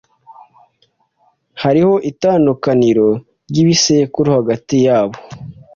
Hariho itandukaniro ryibisekuru hagati yabo.